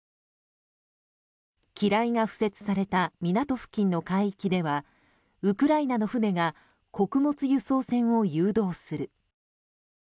機雷が敷設された港付近の海域ではウクライナの船が穀物輸送船を誘導する。